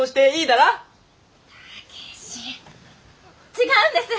違うんです！